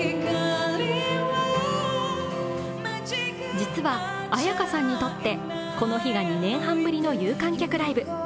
実は、絢香さんにとってこの日が２年半ぶりの有観客ライブ。